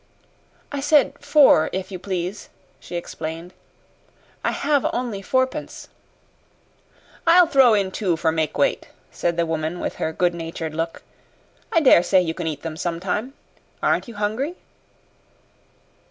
"I said four, if you please," she explained. "I have only fourpence." "I'll throw in two for makeweight," said the woman with her good natured look. "I dare say you can eat them sometime. Aren't you hungry?"